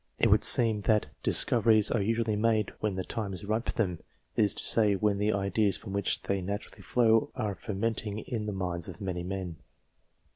It would seem, that discoveries are usually made when the time is ripe for them that is to say, when the ideas from which they naturally flow are fermenting in the minds of many men.